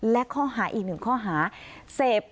และค่อหาอีก๑ค่อหาเสพ